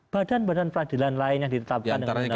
badan badan peradilan lain yang ditetapkan dengan undang undang